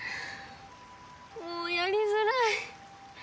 もうやりづらい英寿。